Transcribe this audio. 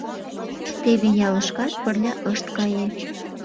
Теве ялышкат пырля ышт кае.